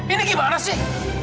ini gimana sih